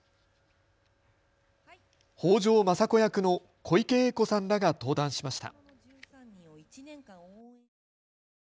北条政子役の小池栄子さんらが登壇しました。